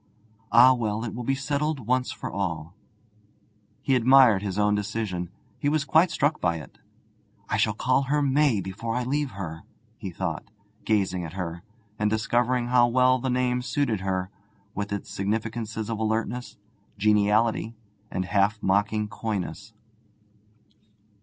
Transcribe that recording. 'Ah well, it will be settled once for all!' He admired his own decision; he was quite struck by it. 'I shall call her May before I leave her,' he thought, gazing at her, and discovering how well the name suited her, with its significances of alertness, geniality, and half mocking coyness.